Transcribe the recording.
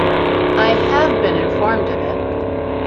I have been informed of it.